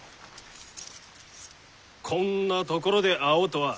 こんな所で会おうとは。